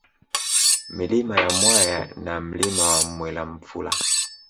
Milima ya Mwaya na Mlima wa Mwelamfula